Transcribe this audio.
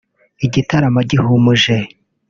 Igitaramo gihumuje